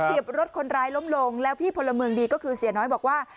รถคนร้ายล้มลงแล้วพี่พลเมืองดีก็คือเสียน้อยบอกว่า